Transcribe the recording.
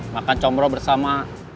kita makan comro bersama